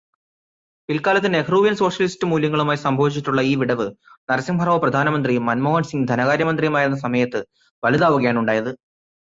പിൽക്കാലത്ത്, നെഹ്രൂവിയൻ സോഷ്യലിസ്റ്റ് മൂല്യങ്ങളുമായി സംഭവിച്ചിട്ടുള്ള ഈ വിടവ്, നരസിംഹറാവു പ്രധാനമന്ത്രിയും മൻമോഹൻസിങ്ങ് ധനകാര്യമന്ത്രിയുമായിരുന്ന സമയത്ത് വലുതാവുകയാണുണ്ടായത്.